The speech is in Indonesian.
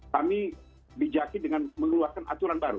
kami bijaki dengan mengeluarkan aturan baru